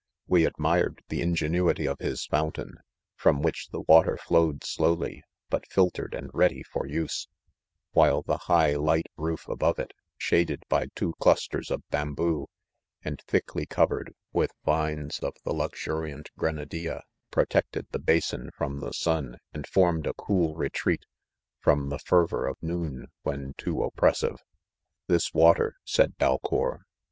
We admired the ingenuity of his fountain, from which the water flowed slowly, but filtered and ready for use, while the high light roof above it, shaded by two clusters of bamboo, and thickly covered with vines of the luxuriant grenadiHa, protected the bason from the sun and formed a eool retreat from the ferver of noon when too oppressive. " This water," said Dalcour!